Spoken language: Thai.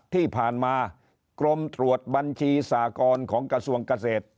ที่ผ่านมากรมตรวจบัญชีสากรของกระทรวงเกษตร